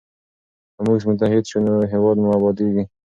که موږ متحد سو نو هیواد مو ابادیږي.